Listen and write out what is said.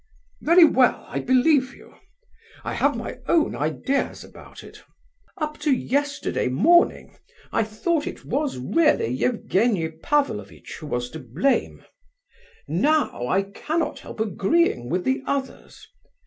"Very well, I believe you. I have my own ideas about it. Up to yesterday morning I thought it was really Evgenie Pavlovitch who was to blame; now I cannot help agreeing with the others.